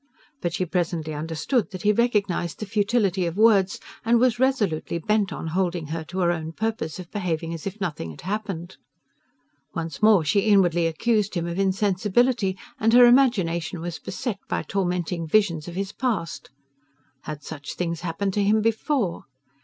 But she presently understood that he recognized the futility of words, and was resolutely bent on holding her to her own purpose of behaving as if nothing had happened. Once more she inwardly accused him of insensibility, and her imagination was beset by tormenting visions of his past...Had such things happened to him before?